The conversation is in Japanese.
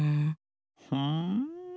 ふん？